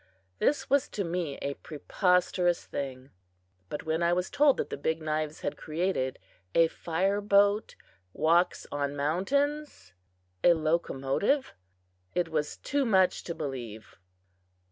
This was to me a preposterous thing! But when I was told that the Big Knives had created a "fire boat walks on mountains" (a locomotive) it was too much to believe.